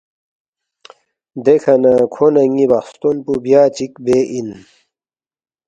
دیکھہ نہ کھو نہ ن٘ی بخستون پو بیا چِک بے اِن